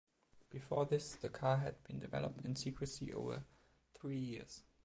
Before this the car had been developed in secrecy over three years.